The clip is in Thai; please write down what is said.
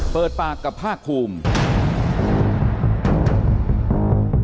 เปิดปากกับภาคภูมิ